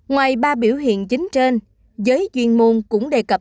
ngoài ba biểu hiện chính trên giới chuyên môn cũng đề cập